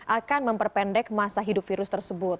akan memperpendek masa hidup virus tersebut